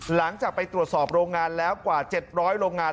หลังจากไปตรวจสอบโรงงานแล้วกว่า๗๐๐โรงงาน